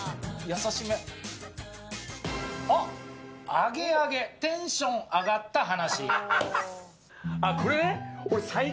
アゲアゲテンションが上がった話。